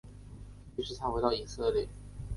于是他回到以色列陪伴多年没有见面的家人。